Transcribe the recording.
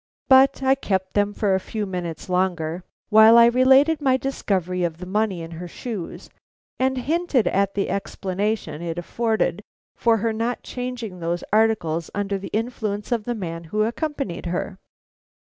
But I kept them for a few minutes longer while I related my discovery of the money in her shoes, and hinted at the explanation it afforded for her not changing those articles under the influence of the man who accompanied her.